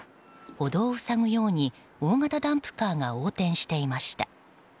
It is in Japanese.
歩道を塞ぐように大型ダンプカーが横転していました。